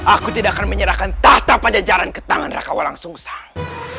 aku tidak akan menyerahkan tahta pajajaran ke tangan rakawalang sung sang